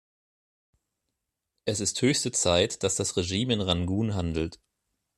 Es ist höchste Zeit, dass das Regime in Rangoon handelt.